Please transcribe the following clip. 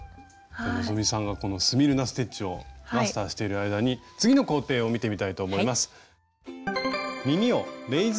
希さんがこのスミルナ・ステッチをマスターしている間に次の工程を見てみたいと思います。